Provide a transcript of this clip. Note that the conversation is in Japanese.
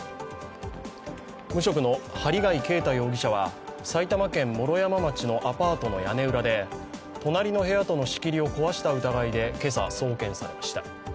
無職の針谷啓太容疑者は埼玉県毛呂山町のアパートの屋根裏で隣の部屋との仕切りを壊した疑いで今朝、送検されました。